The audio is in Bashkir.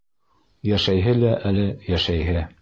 Йәшәйһе лә әле йәшәйһе.